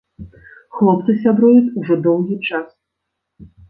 Хлопцы сябруюць ужо доўгі час.